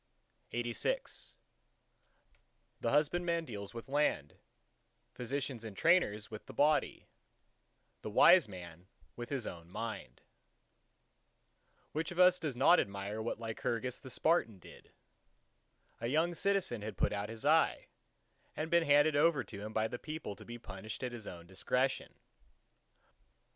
LXXXVII The husbandman deals with land; physicians and trainers with the body; the wise man with his own Mind. LXXXVIII Which of us does not admire what Lycurgus the Spartan did? A young citizen had put out his eye, and been handed over to him by the people to be punished at his own discretion.